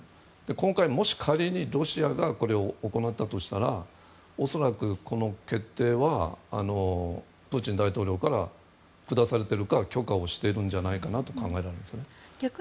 今回、もし仮にロシアがこれを行ったとしたら恐らく、この決定はプーチン大統領から下されてるか許可をしているんじゃないかと考えられますね。